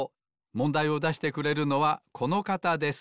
もんだいをだしてくれるのはこのかたです。